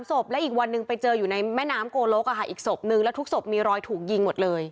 ศพและอีกวันหนึ่งไปเจออยู่ในแม่น้ำโกลกอีกศพนึงแล้วทุกศพมีรอยถูกยิงหมดเลย